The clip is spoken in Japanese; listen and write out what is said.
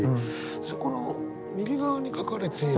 そこの右側に描かれている。